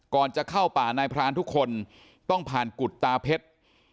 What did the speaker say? กลับเข้าป่าในพรานทุกคนต้องผ่านกุฏตาเพชร